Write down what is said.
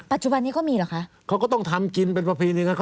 ปัจจุบันนี้ก็มีเหรอคะ